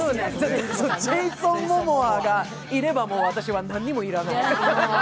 ジェイソン・モモアがいればもう私は何も要らない。